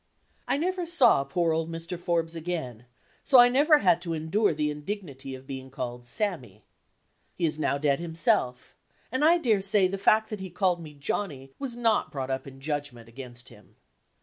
I never saw poor old Mr. Forbes again, so I never had to endure the indignity of being called "Sammy." He is now dead himself, and I daresay the fact that he called me "Johnny" was not brought up in judgment against him.